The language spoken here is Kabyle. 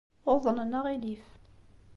Uḍnen aɣilif.